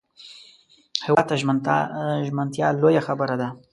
هېواد ته ژمنتیا لویه خبره ده